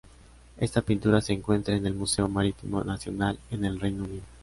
Esta pintura se encuentra en el Museo Marítimo Nacional, en el Reino Unido